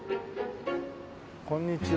こんにちは。